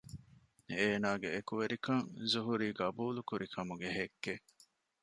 އޭނަގެ އެކުވެރިކަން ޒުހުރީ ޤަބޫލުކުރި ކަމުގެ ހެއްކެއް